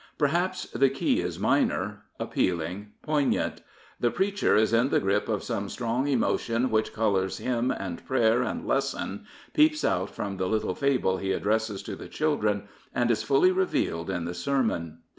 Perhaps the key is minor, appealing, poignant. The preacher is in the grip of some strong emotion which colours hymn and prayer and lesson, peeps out from the little fable he addresses to the children, and is fully revealed in the sermon.